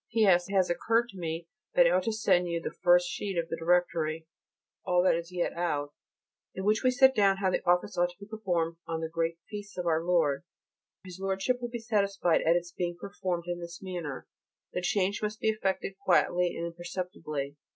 P.S. It has occurred to me that I ought to send you the first sheet of the Directory all that is yet out in which is set down how the Office ought to be performed on the great feasts of our Lord. His Lordship will be satisfied at its being performed in this manner. The change must be effected quietly and imperceptibly.